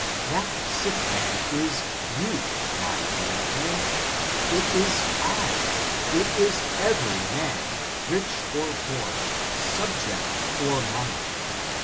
That sick man is you, my dear friend ; it is I, it is every man, rich or poor, subject or monarch.